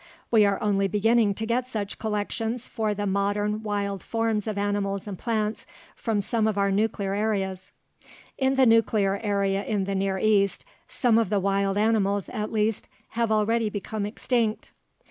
We are only beginning to get such collections for the modern wild forms of animals and plants from some of our nuclear areas. In the nuclear area in the Near East, some of the wild animals, at least, have already become extinct.